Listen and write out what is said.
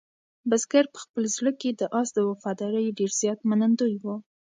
بزګر په خپل زړه کې د آس د وفادارۍ ډېر زیات منندوی و.